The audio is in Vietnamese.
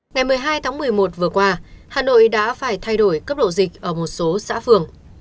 ngày một mươi hai tháng một mươi một vừa qua hà nội đã phải thay đổi cấp độ dịch ở một số xã phường